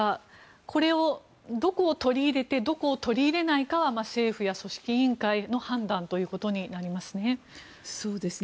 これをどこを取り入れてどこを取り入れないかは政府や組織委員会の判断ということになりますね。